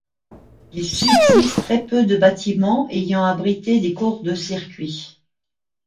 Il subsiste très peu de bâtiments ayant abrité des cours de circuit.